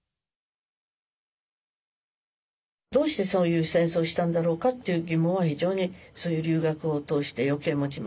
どうしてそういう戦争をしたんだろうかっていう疑問は非常にそういう留学を通して余計持ちましたね。